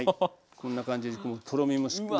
こんな感じにとろみもしっかり。